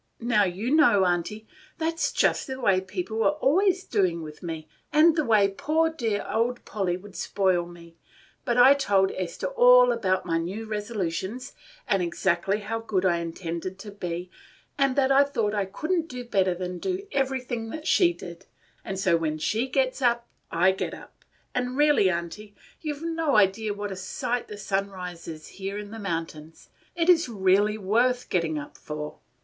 Now you know, Aunty, that 's just the way people are always doing with me, and the way poor dear old Polly would spoil me; but I told Esther all about my new resolutions and exactly how good I intended to be, and that I thought I could n't do better than to do everything that she did, and so when she gets up I get up; and really, Aunty, you 've no idea what a sight the sunrise is here in the mountains; it really is worth getting up for.